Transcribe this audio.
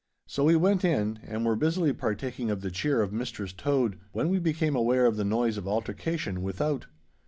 So we went in, and were busily partaking of the cheer of Mistress Tode when we became aware of the noise of altercation without.